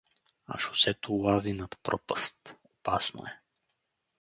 А шосето лази над пропаст, опасно е.